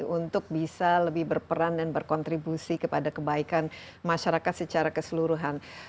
untuk bisa lebih berperan dan berkontribusi kepada kebaikan masyarakat secara keseluruhan